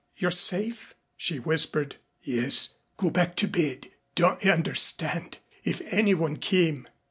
"You're safe?" she whispered. "Yes. Go back to bed. Don't you understand if anyone came